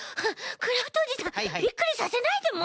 クラフトおじさんびっくりさせないでもう！